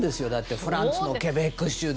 フランスのケベック州で。